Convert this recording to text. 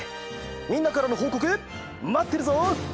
みんなからのほうこくまってるぞ！